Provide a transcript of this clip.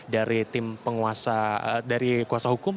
dari tim penguasa dari kuasa hukum